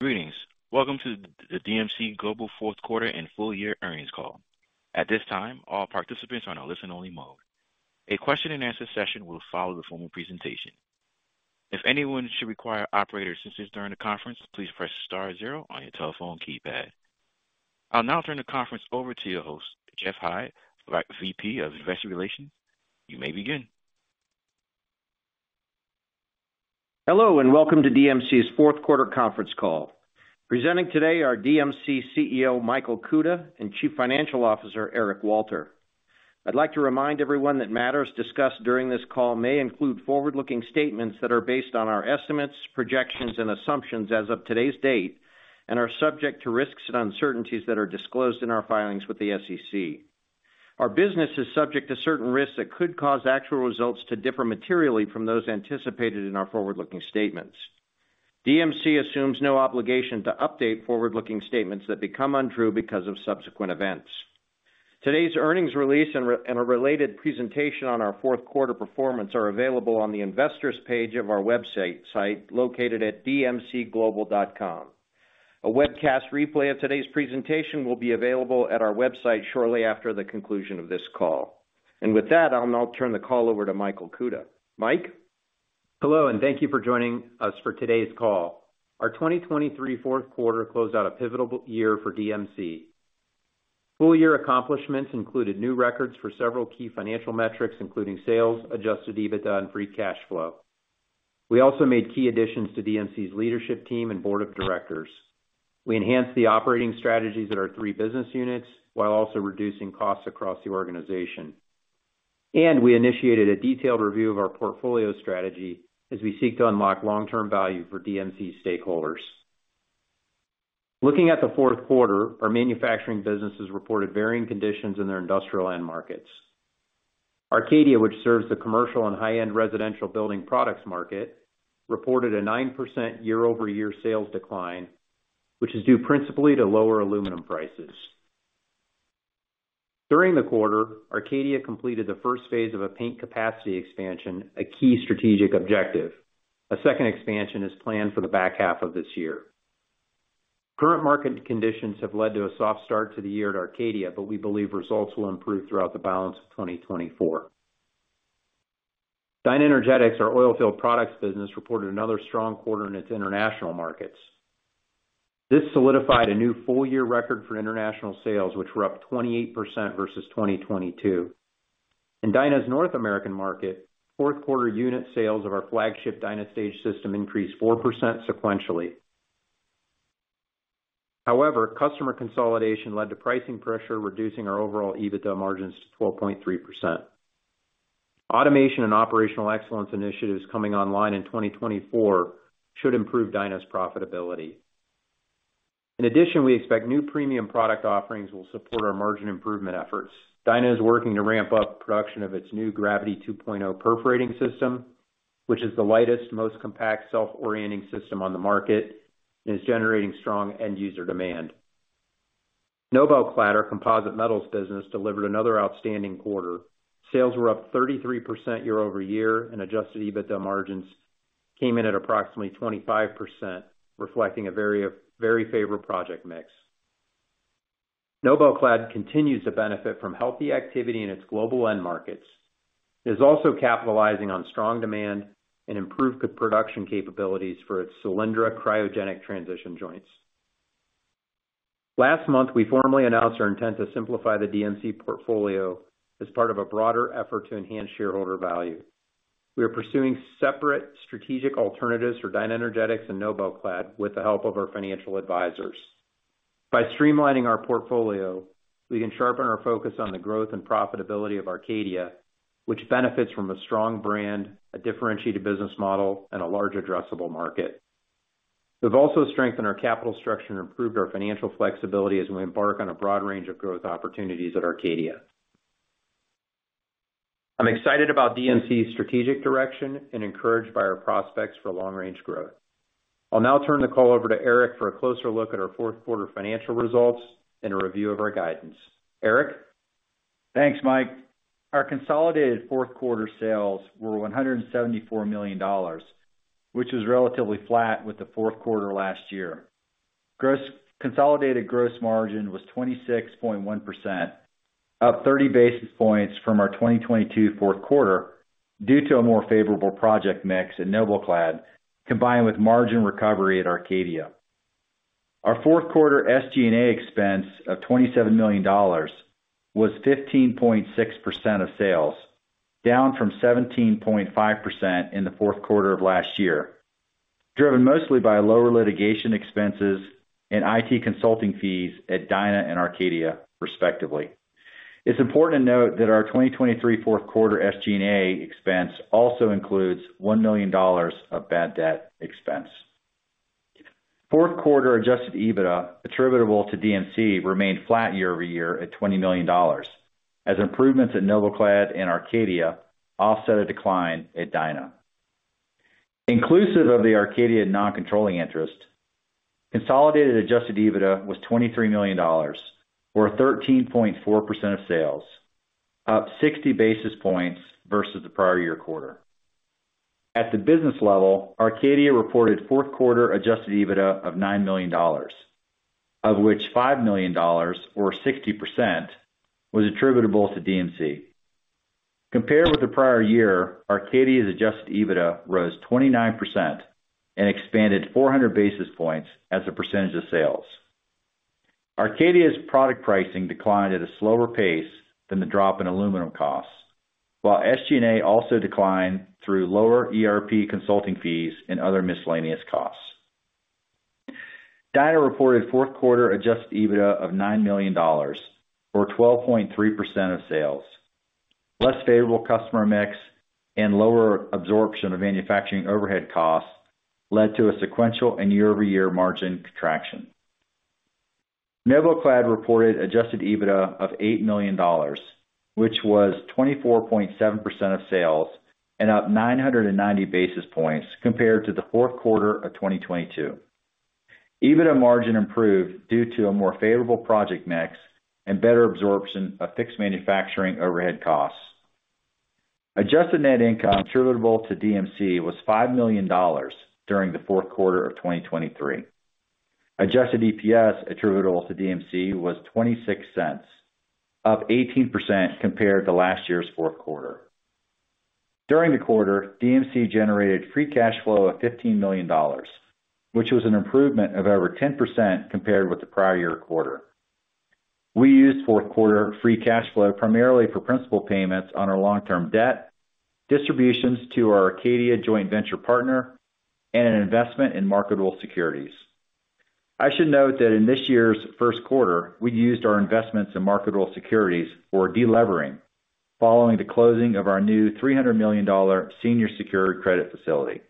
Greetings. Welcome to the DMC Global Fourth Quarter and Full Year Earnings Call. At this time, all participants are in a listen-only mode. A question-and-answer session will follow the formal presentation. If anyone should require operator assistance during the conference, please press star zero on your telephone keypad. I'll now turn the conference over to your host, Geoff High, VP of Investor Relations. You may begin. Hello and welcome to DMC's Fourth Quarter Conference Call. Presenting today are DMC CEO Michael Kuta and Chief Financial Officer Eric Walter. I'd like to remind everyone that matters discussed during this call may include forward-looking statements that are based on our estimates, projections, and assumptions as of today's date, and are subject to risks and uncertainties that are disclosed in our filings with the SEC. Our business is subject to certain risks that could cause actual results to differ materially from those anticipated in our forward-looking statements. DMC assumes no obligation to update forward-looking statements that become untrue because of subsequent events. Today's earnings release and a related presentation on our Fourth Quarter performance are available on the Investors page of our website located at dmcglobal.com. A webcast replay of today's presentation will be available at our website shortly after the conclusion of this call. With that, I'll now turn the call over to Michael Kuta. Mike? Hello and thank you for joining us for today's call. Our 2023 Fourth Quarter closed out a pivotal year for DMC. Full year accomplishments included new records for several key financial metrics, including sales, Adjusted EBITDA, and Free Cash Flow. We also made key additions to DMC's leadership team and board of directors. We enhanced the operating strategies at our three business units while also reducing costs across the organization. We initiated a detailed review of our portfolio strategy as we seek to unlock long-term value for DMC stakeholders. Looking at the Fourth Quarter, our manufacturing businesses reported varying conditions in their industrial end markets. Arcadia, which serves the commercial and high-end residential building products market, reported a 9% year-over-year sales decline, which is due principally to lower aluminum prices. During the quarter, Arcadia completed the first phase of a paint capacity expansion, a key strategic objective. A second expansion is planned for the back half of this year. Current market conditions have led to a soft start to the year at Arcadia, but we believe results will improve throughout the balance of 2024. DynaEnergetics, our oil-filled products business, reported another strong quarter in its international markets. This solidified a new full year record for international sales, which were up 28% versus 2022. In Dyna's North American market, Fourth Quarter unit sales of our flagship DynaStage system increased 4% sequentially. However, customer consolidation led to pricing pressure, reducing our overall EBITDA margins to 12.3%. Automation and operational excellence initiatives coming online in 2024 should improve Dyna's profitability. In addition, we expect new premium product offerings will support our margin improvement efforts. DynaEnergetics is working to ramp up production of its new Gravity 2.0 perforating system, which is the lightest, most compact self-orienting system on the market, and is generating strong end-user demand. NobelClad, our composite metals business, delivered another outstanding quarter. Sales were up 33% year-over-year, and adjusted EBITDA margins came in at approximately 25%, reflecting a very favorable project mix. NobelClad continues to benefit from healthy activity in its global end markets. It is also capitalizing on strong demand and improved production capabilities for its Cylindra cryogenic transition joints. Last month, we formally announced our intent to simplify the DMC portfolio as part of a broader effort to enhance shareholder value. We are pursuing separate strategic alternatives for DynaEnergetics and NobelClad with the help of our financial advisors. By streamlining our portfolio, we can sharpen our focus on the growth and profitability of Arcadia, which benefits from a strong brand, a differentiated business model, and a large addressable market. We've also strengthened our capital structure and improved our financial flexibility as we embark on a broad range of growth opportunities at Arcadia. I'm excited about DMC's strategic direction and encouraged by our prospects for long-range growth. I'll now turn the call over to Eric for a closer look at our Fourth Quarter financial results and a review of our guidance. Eric? Thanks, Mike. Our consolidated Fourth Quarter sales were $174 million, which was relatively flat with the Fourth Quarter last year. Consolidated gross margin was 26.1%, up 30 basis points from our 2022 Fourth Quarter due to a more favorable project mix at NobelClad, combined with margin recovery at Arcadia. Our Fourth Quarter SG&A expense of $27 million was 15.6% of sales, down from 17.5% in the Fourth Quarter of last year, driven mostly by lower litigation expenses and IT consulting fees at Dyna and Arcadia, respectively. It's important to note that our 2023 Fourth Quarter SG&A expense also includes $1 million of bad debt expense. Fourth Quarter adjusted EBITDA attributable to DMC remained flat year-over-year at $20 million, as improvements at NobelClad and Arcadia offset a decline at Dyna. Inclusive of the Arcadia non-controlling interest, consolidated adjusted EBITDA was $23 million, or 13.4% of sales, up 60 basis points versus the prior year quarter. At the business level, Arcadia reported Fourth Quarter adjusted EBITDA of $9 million, of which $5 million, or 60%, was attributable to DMC. Compared with the prior year, Arcadia's adjusted EBITDA rose 29% and expanded 400 basis points as a percentage of sales. Arcadia's product pricing declined at a slower pace than the drop in aluminum costs, while SG&A also declined through lower ERP consulting fees and other miscellaneous costs. DynaEnergetics reported Fourth Quarter adjusted EBITDA of $9 million, or 12.3% of sales. Less favorable customer mix and lower absorption of manufacturing overhead costs led to a sequential and year-over-year margin contraction. NobelClad reported adjusted EBITDA of $8 million, which was 24.7% of sales and up 990 basis points compared to the Fourth Quarter of 2022. EBITDA margin improved due to a more favorable project mix and better absorption of fixed manufacturing overhead costs. Adjusted net income attributable to DMC was $5 million during the Fourth Quarter of 2023. Adjusted EPS attributable to DMC was $0.26, up 18% compared to last year's Fourth Quarter. During the quarter, DMC generated Free Cash Flow of $15 million, which was an improvement of over 10% compared with the prior year quarter. We used Fourth Quarter Free Cash Flow primarily for principal payments on our long-term debt, distributions to our Arcadia joint venture partner, and an investment in marketable securities. I should note that in this year's First Quarter, we used our investments in marketable securities for delevering, following the closing of our new $300 million senior secured credit facility.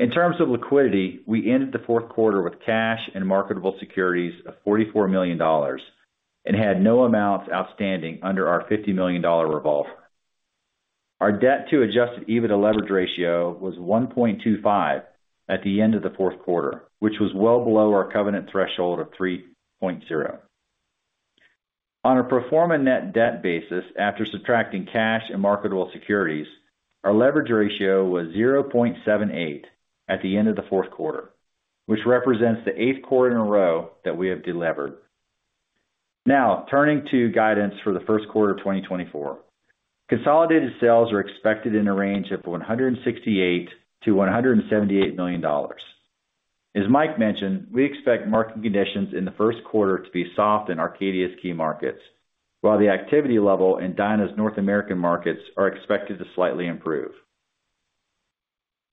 In terms of liquidity, we ended the Fourth Quarter with cash and marketable securities of $44 million and had no amounts outstanding under our $50 million revolver. Our debt-to-Adjusted EBITDA leverage ratio was 1.25 at the end of the Fourth Quarter, which was well below our covenant threshold of 3.0. On a performance net debt basis, after subtracting cash and marketable securities, our leverage ratio was 0.78 at the end of the Fourth Quarter, which represents the eighth quarter in a row that we have delivered. Now, turning to guidance for the First Quarter of 2024. Consolidated sales are expected in a range of $168-$178 million. As Mike mentioned, we expect market conditions in the First Quarter to be soft in Arcadia's key markets, while the activity level in Dyna's North American markets are expected to slightly improve.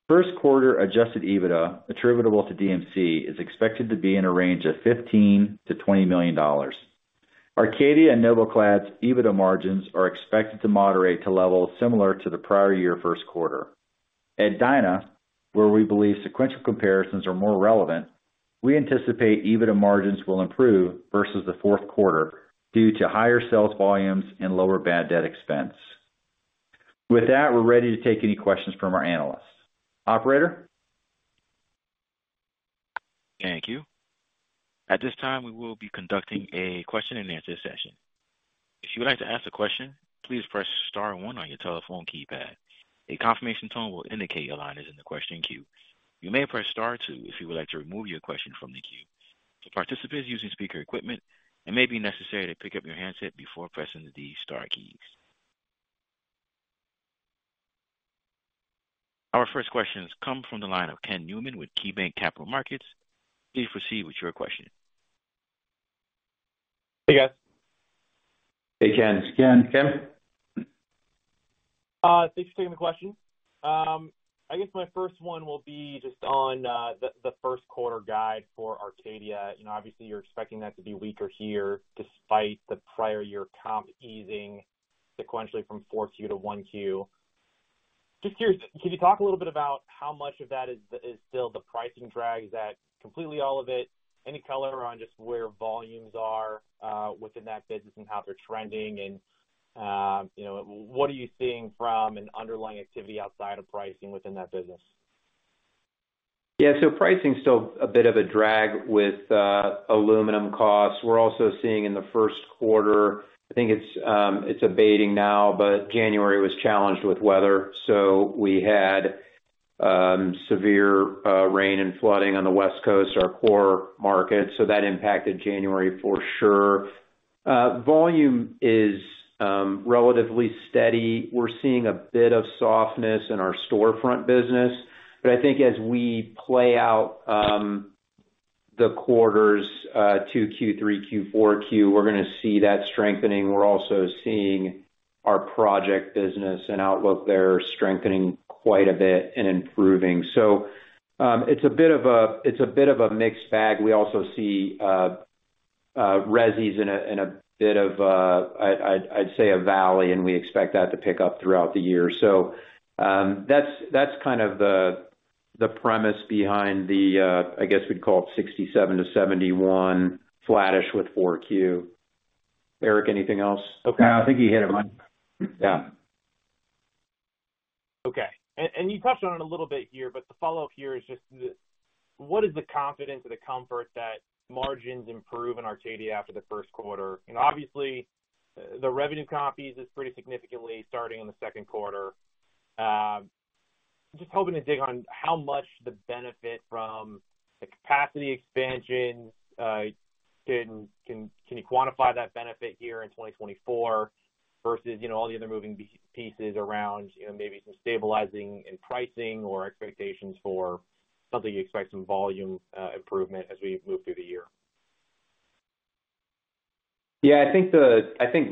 First Quarter Adjusted EBITDA attributable to DMC is expected to be in a range of $15-$20 million. Arcadia and NobelClad's EBITDA margins are expected to moderate to levels similar to the prior year First Quarter. At Dyna, where we believe sequential comparisons are more relevant, we anticipate EBITDA margins will improve versus the Fourth Quarter due to higher sales volumes and lower bad debt expense. With that, we're ready to take any questions from our analysts. Operator? Thank you. At this time, we will be conducting a question-and-answer session. If you would like to ask a question, please press star one on your telephone keypad. A confirmation tone will indicate your line is in the question queue. You may press star two if you would like to remove your question from the queue. For participants using speaker equipment, it may be necessary to pick up your handset before pressing the star keys. Our first questions come from the line of Ken Newman with KeyBanc Capital Markets. Please proceed with your question. Hey, guys. Hey, Ken. Ken. Ken? Thanks for taking the question. I guess my first one will be just on the first quarter guide for Arcadia. Obviously, you're expecting that to be weaker here despite the prior year comp easing sequentially from 4Q to 1Q. Just curious, can you talk a little bit about how much of that is still the pricing drag? Is that completely all of it? Any color on just where volumes are within that business and how they're trending? And what are you seeing from an underlying activity outside of pricing within that business? Yeah. So pricing's still a bit of a drag with aluminum costs. We're also seeing in the first quarter I think it's abating now, but January was challenged with weather, so we had severe rain and flooding on the West Coast, our core market. So that impacted January for sure. Volume is relatively steady. We're seeing a bit of softness in our storefront business. But I think as we play out the quarters 2Q, 3Q, 4Q, we're going to see that strengthening. We're also seeing our project business and outlook there strengthening quite a bit and improving. So it's a bit of a it's a bit of a mixed bag. We also see resales in a bit of, I'd say, a valley, and we expect that to pick up throughout the year. So that's kind of the premise behind the, I guess we'd call it, 67-71 flattish with 4Q. Eric, anything else? No, I think you hit it, Mike. Yeah. Okay. You touched on it a little bit here, but the follow-up here is just what is the confidence or the comfort that margins improve in Arcadia after the first quarter? Obviously, the revenue pop is pretty significantly starting in the second quarter. Just hoping to dig into how much the benefit from the capacity expansion can you quantify that benefit here in 2024 versus all the other moving pieces around maybe some stabilizing in pricing or expectations for something you expect some volume improvement as we move through the year? Yeah, I think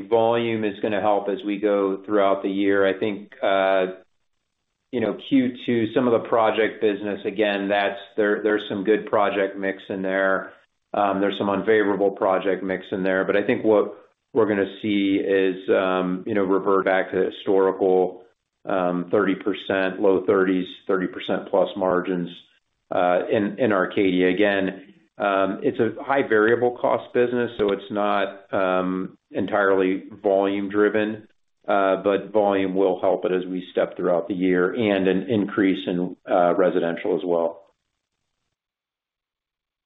volume is going to help as we go throughout the year. I think Q2, some of the project business, again, there's some good project mix in there. There's some unfavorable project mix in there. But I think what we're going to see is revert back to historical 30%, low 30s, 30%+ margins in Arcadia. Again, it's a high variable cost business, so it's not entirely volume-driven, but volume will help it as we step throughout the year and an increase in residential as well.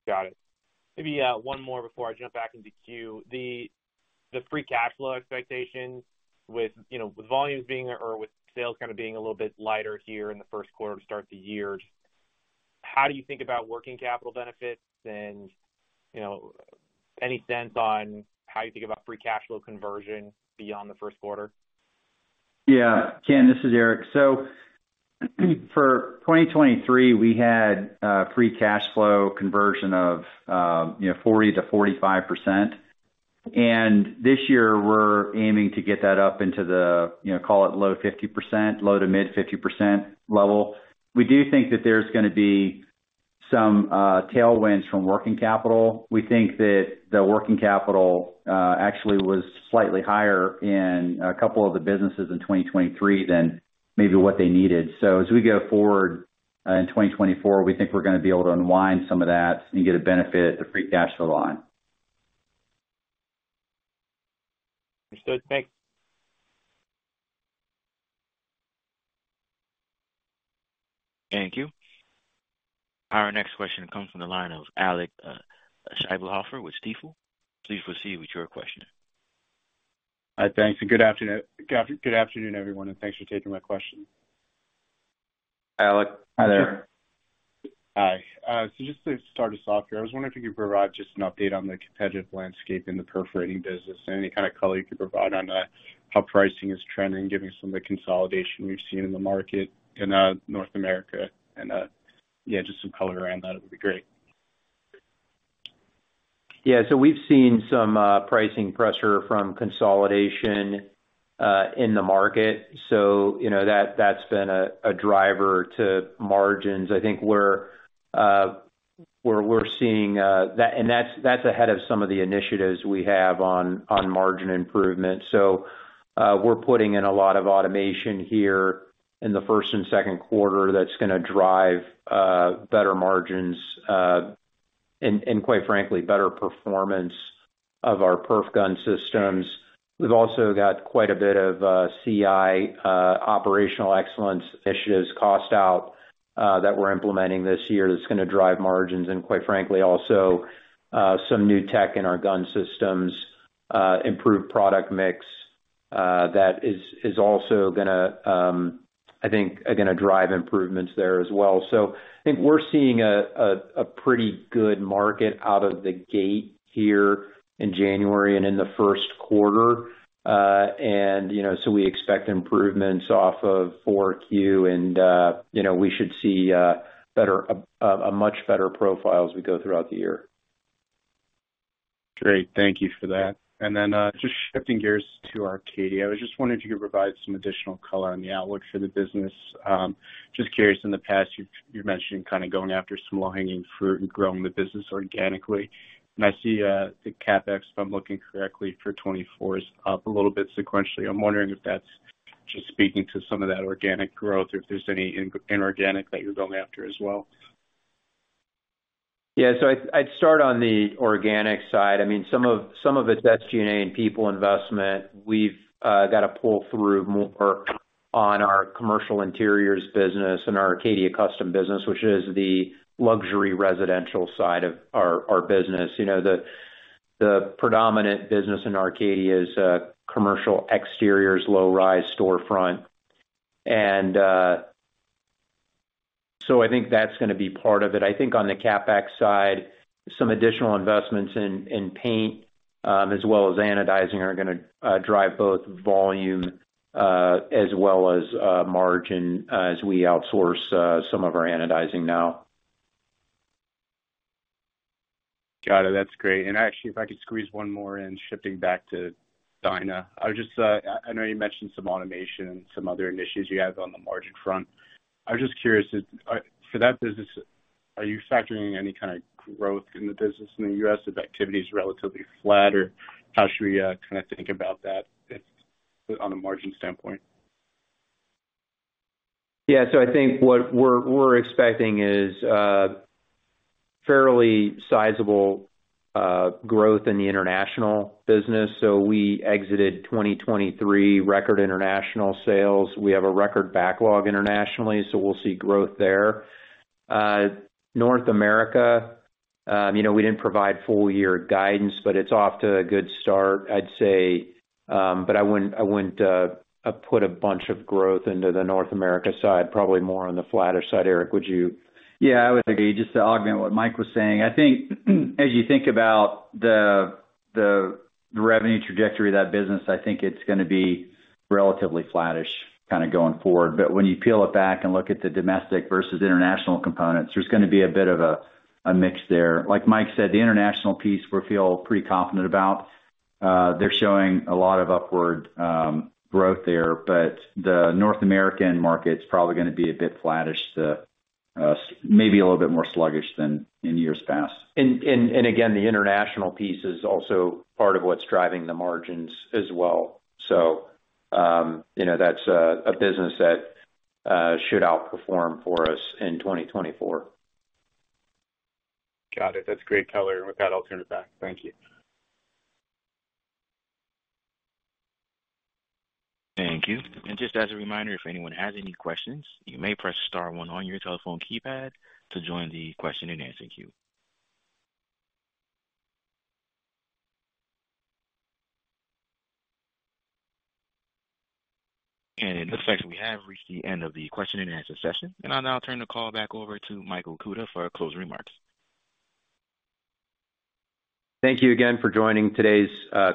Got it. Maybe one more before I jump back into Q. The free cash flow expectations with volumes being or with sales kind of being a little bit lighter here in the First Quarter to start the year, how do you think about working capital benefits and any sense on how you think about free cash flow conversion beyond the First Quarter? Yeah. Ken, this is Eric. So for 2023, we had Free Cash Flow conversion of 40%-45%. And this year, we're aiming to get that up into the, call it, low 50%, low-to-mid 50% level. We do think that there's going to be some tailwinds from working capital. We think that the working capital actually was slightly higher in a couple of the businesses in 2023 than maybe what they needed. So as we go forward in 2024, we think we're going to be able to unwind some of that and get a benefit at the Free Cash Flow line. Understood. Thanks. Thank you. Our next question comes from the line of Alec Scheibelhofer with Stifel. Please proceed with your question. Hi, thanks. Good afternoon, everyone, and thanks for taking my question. Alec. Hi there. Hi. So just to start us off here, I was wondering if you could provide just an update on the competitive landscape in the perforating business and any kind of color you could provide on how pricing is trending, given some of the consolidation we've seen in the market in North America. Yeah, just some color around that, it would be great. Yeah. So we've seen some pricing pressure from consolidation in the market. So that's been a driver to margins. I think we're seeing that and that's ahead of some of the initiatives we have on margin improvement. So we're putting in a lot of automation here in the First and Second Quarter that's going to drive better margins and, quite frankly, better performance of our perf gun systems. We've also got quite a bit of CI operational excellence initiatives, cost out that we're implementing this year that's going to drive margins and, quite frankly, also some new tech in our gun systems, improved product mix that is also going to, I think, are going to drive improvements there as well. So I think we're seeing a pretty good market out of the gate here in January and in the First Quarter. And so we expect improvements off of 4Q, and we should see a much better profile as we go throughout the year. Great. Thank you for that. And then just shifting gears to Arcadia, I was just wondering if you could provide some additional color on the outlook for the business. Just curious, in the past, you've mentioned kind of going after some low-hanging fruit and growing the business organically. And I see the CapEx, if I'm looking correctly, for 2024 is up a little bit sequentially. I'm wondering if that's just speaking to some of that organic growth or if there's any inorganic that you're going after as well. Yeah. So I'd start on the organic side. I mean, some of it's SG&A and people investment. We've got to pull through more on our commercial interiors business and our Arcadia Custom business, which is the luxury residential side of our business. The predominant business in Arcadia is commercial exteriors, low-rise storefront. And so I think that's going to be part of it. I think on the CapEx side, some additional investments in paint as well as anodizing are going to drive both volume as well as margin as we outsource some of our anodizing now. Got it. That's great. And actually, if I could squeeze one more in, shifting back to Dyna, I know you mentioned some automation and some other initiatives you have on the margin front. I was just curious, for that business, are you factoring in any kind of growth in the business in the U.S. if activity's relatively flat, or how should we kind of think about that on a margin standpoint? Yeah. So I think what we're expecting is fairly sizable growth in the international business. So we exited 2023 record international sales. We have a record backlog internationally, so we'll see growth there. North America, we didn't provide full-year guidance, but it's off to a good start, I'd say. But I wouldn't put a bunch of growth into the North America side, probably more on the flatter side. Eric, would you? Yeah, I would agree. Just to augment what Mike was saying, I think as you think about the revenue trajectory of that business, I think it's going to be relatively flattish kind of going forward. But when you peel it back and look at the domestic versus international components, there's going to be a bit of a mix there. Like Mike said, the international piece, we feel pretty confident about. They're showing a lot of upward growth there. But the North American market's probably going to be a bit flattish, maybe a little bit more sluggish than in years past. Again, the international piece is also part of what's driving the margins as well. So that's a business that should outperform for us in 2024. Got it. That's great color, and with that, I'll turn it back. Thank you. Thank you. Just as a reminder, if anyone has any questions, you may press star one on your telephone keypad to join the question-and-answer queue. It looks like we have reached the end of the question-and-answer session. I'll now turn the call back over to Michael Kuta for closing remarks. Thank you again for joining today's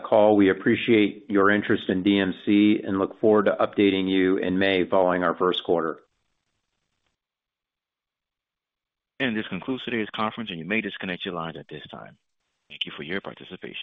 call. We appreciate your interest in DMC and look forward to updating you in May following our first quarter. This concludes today's conference, and you may disconnect your lines at this time. Thank you for your participation.